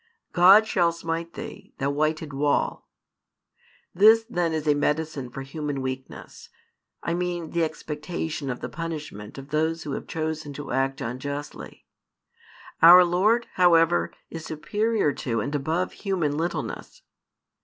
God shall smite thee, thou whited wall. This then is a medicine for human weakness I mean the expectation of the punishment of those who have chosen to act unjustly. Our Lord, however, is superior to and above human littleness.